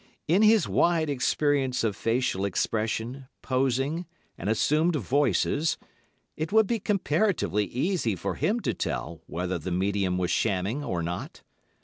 In his wide experience of facial expression, posing, and assumed voices, it would be comparatively easy for him to tell whether the medium was shamming or not.